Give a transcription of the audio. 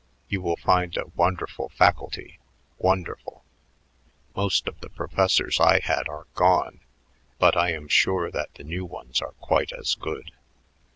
You will find a wonderful faculty, wonderful. Most of the professors I had are gone, but I am sure that the new ones are quite as good.